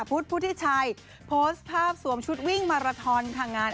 พุทธพุทธิชัยโพสต์ภาพสวมชุดวิ่งมาราทอนค่ะงาน